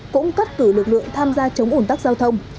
cũng cất cử lực lượng tham gia chống ủng tắc giao thông